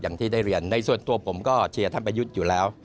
อย่างที่ได้เรียนในส่วนตัวผมก็เชียร์ท่านประยุทธ์อยู่แล้ว